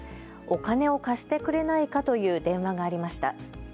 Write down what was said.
お金を貸してくれないかという電話がありました。